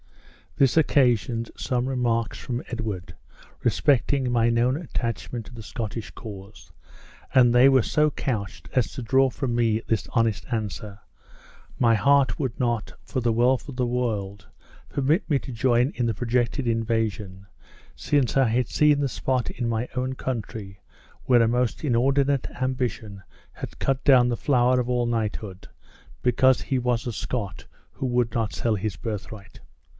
This occasioned some remarks from Edward respecting my known attachment to the Scottish cause, and they were so couched as to draw from me this honest answer; my heart would not, for the wealth of the world, permit me to join in the projected invasion, since I had seen the spot in my own country where a most inordinate ambition had cut down the flower of all knighthood, because he was a Scot who would not sell his birthright!